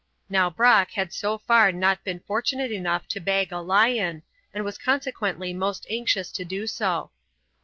Now Brock had so far not been fortunate enough to bag a lion, and was consequently most anxious to do so.